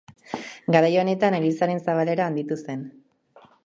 Garai honetan elizaren zabalera handitu zen.